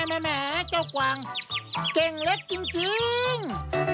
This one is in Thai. แหมเจ้ากวางเก่งเล็กจริง